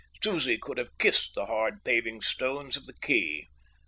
Susie could have kissed the hard paving stones of the quay.